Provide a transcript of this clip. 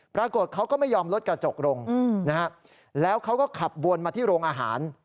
ปรากฏเขาก็ไม่ยอมลดกระจกลงนะฮะแล้วเขาก็ขับวนมาที่โรงอาหาร